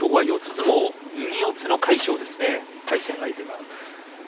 相撲、右四つの魁勝です、対戦相手は。